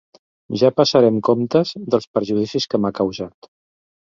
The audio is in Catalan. Ja passarem comptes dels perjudicis que m'ha causat.